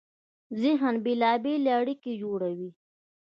ذهن بېلابېلې اړیکې جوړوي.